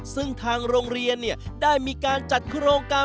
ซึ่งทางโรงเรียนได้มีการจัดโครงการ